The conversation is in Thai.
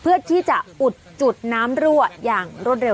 เพื่อที่จะอุดจุดน้ำรั่วอย่างรวดเร็ว